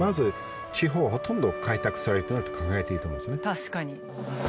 確かに。